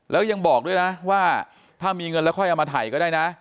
แล้วยังบอกด้วยนะว่าถ้ามีเงินแล้วค่อยเอามาถ่ายก็ได้นะ